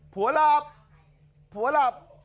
ผัวหลับ